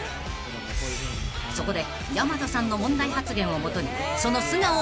［そこで］